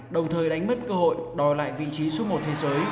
đồng thời đánh mất cơ hội đòi lại vị trí số một thế giới